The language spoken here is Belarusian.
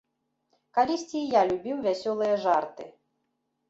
Калісьці і я любіў вясёлыя жарты.